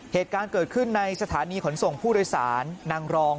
เหตุการณ์เกิดขึ้นในสถานีขนส่งผู้โดยสารนางรอง